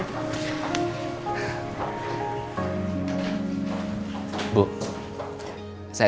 terima kasih bu